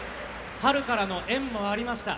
春からの縁もありました。